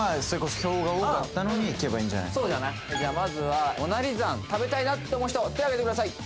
まずはモナリザン食べたいなって思う人手あげてください